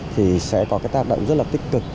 thì sẽ có cái tác động rất là tích cực